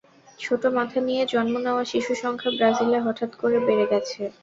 ছোট মাথা নিয়ে জন্ম নেওয়া শিশুর সংখ্যা ব্রাজিলে হঠাৎ করে বেড়ে গেছে।